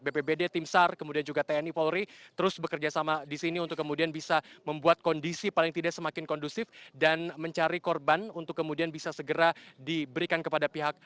bpbd tim sar kemudian juga tni polri terus bekerja sama di sini untuk kemudian bisa membuat kondisi paling tidak semakin kondusif dan mencari korban untuk kemudian bisa segera diberikan kepada pihak